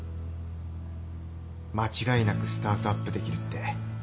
間違いなくスタートアップできるって。